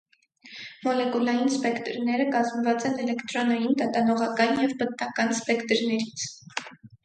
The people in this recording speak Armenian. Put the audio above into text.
Մոլեկուլային սպեկտրները կազմված են էլեկտրոնային, տատանողական և պտտական սպեկտրներից։